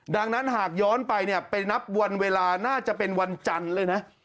ดังนั้นหากย้อนไปเนี่ยไปนับวันเวลาน่าจะเป็นวันจันทร์เลยนะ